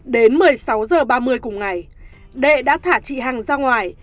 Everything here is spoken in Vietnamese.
đến một mươi sáu h ba mươi cùng ngày đệ đã thả chị hằng ra ngoài